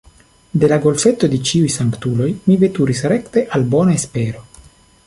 De la Golfeto de Ĉiuj Sanktuloj mi veturis rekte al Bona Espero.